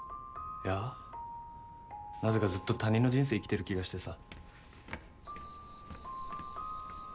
いやなぜかずっと他人の人生生きてる気がしてさ。